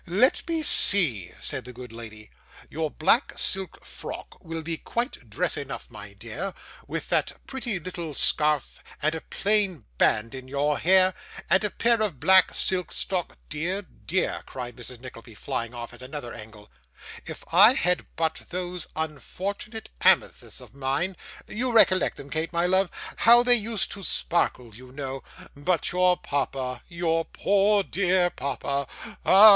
'Let me see,' said the good lady. 'Your black silk frock will be quite dress enough, my dear, with that pretty little scarf, and a plain band in your hair, and a pair of black silk stock Dear, dear,' cried Mrs Nickleby, flying off at another angle, 'if I had but those unfortunate amethysts of mine you recollect them, Kate, my love how they used to sparkle, you know but your papa, your poor dear papa ah!